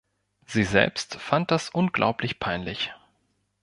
Sie selbst fand das unglaublich peinlich.